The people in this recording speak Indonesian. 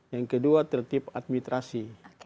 yang kedua tertib administrasi